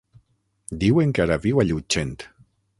Diuen que ara viu a Llutxent.